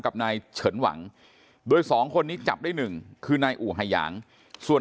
กับนายเฉินหวังโดยสองคนนี้จับได้หนึ่งคือนายอู่ฮายางส่วน